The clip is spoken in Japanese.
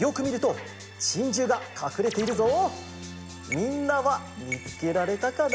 みんなはみつけられたかな？